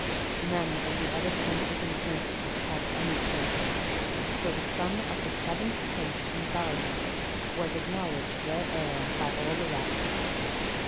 None of the other Princes and Princesses had any children, so the son of the seventh Prince and Balna was acknowledged their heir by all the rest.